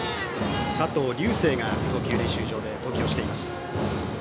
佐藤颯惺が投球練習場で投球しています。